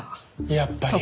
やっぱり。